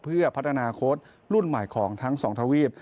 เพื่อพัฒนาโค้ดรุ่นใหม่ของทั้งสองทวีป